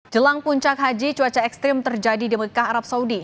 jelang puncak haji cuaca ekstrim terjadi di mekah arab saudi